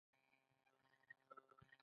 سړک د پوهې لار هم بلل کېږي.